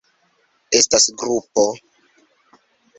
Estas grupo.